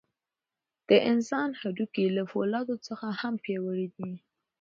د انسان هډوکي له فولادو څخه هم پیاوړي دي.